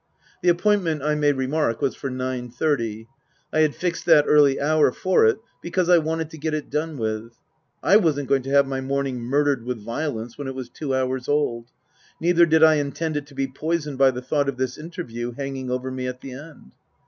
The appointment, I may remark, was for nine thirty. I had fixed that early hour for it because I wanted to get it done with. I wasn't going to have my morning murdered with violence when it was two hours old ; neither did I intend it to be poisoned by the thought of this interview hanging over me at the end.